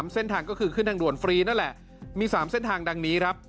เส้นทางก็คือขึ้นทางด่วนฟรีนั่นแหละมี๓เส้นทางดังนี้ครับ